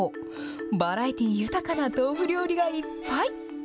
バラエティー豊かな豆腐料理がいっぱい。